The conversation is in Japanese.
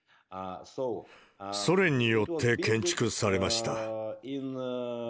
ソ連によって建築されました。